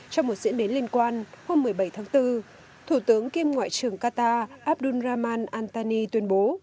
trong một diễn biến liên quan hôm một mươi bảy tháng bốn thủ tướng kiêm ngoại trưởng qatar abdul rahman antani tuyên bố